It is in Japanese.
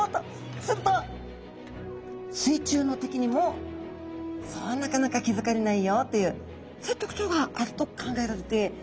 すると水中の敵にもそうなかなか気付かれないよというそういう特徴があると考えられているんですよね。